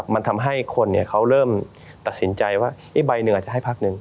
มันทำให้คนเขาเริ่มตัดสินใจว่าอีกใบหนึ่งอาจจะให้พักหนึ่ง